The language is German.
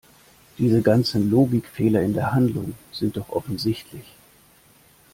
Diese ganzen Logikfehler in der Handlung sind doch offensichtlich!